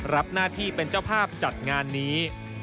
รับหน้าที่เป็นเจ้าภาพจัดงานนี้